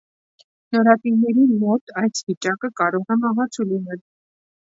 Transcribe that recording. Նորածինների մոտ այս վիճակը կարող է մահացու լինել։